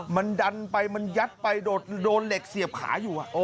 มันดันไปมันยัดไปโดนเหล็กเสียบขาอยู่